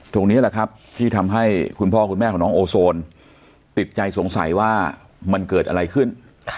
ตรงนี้แหละครับที่ทำให้คุณพ่อคุณแม่ของน้องโอโซนติดใจสงสัยว่ามันเกิดอะไรขึ้น